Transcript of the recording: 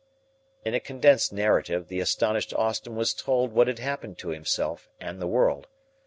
In a condensed narrative the astonished Austin was told what had happened to himself and the world.